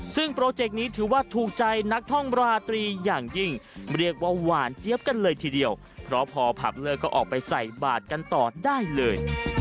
ซึ่งโปรเจกต์นี้ถือว่าถูกใจนักท่องราตรีอย่างยิ่งเรียกว่าหวานเจี๊ยบกันเลยทีเดียวเพราะพอผับเลิกก็ออกไปใส่บาทกันต่อได้เลย